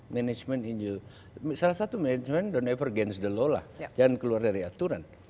manajemen itu salah satu manajemen don't ever gain the law lah jangan keluar dari aturan